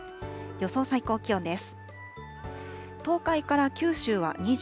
予想最高気温です。